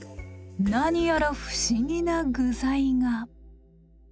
何やら不思議な具材が。